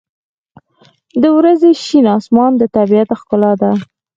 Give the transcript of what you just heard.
• د ورځې شین آسمان د طبیعت ښکلا ده.